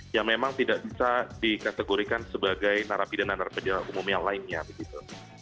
yang memang tidak bisa dikategorikan sebagai narapi dana narapi dana umum yang lainnya begitu